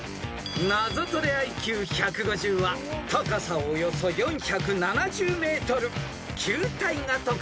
［ナゾトレＩＱ１５０は高さおよそ４７０ｍ球体が特徴的なタワーです］